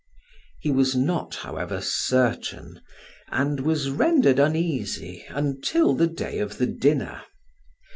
He was not, however, certain and was rendered uneasy until the day of the dinner.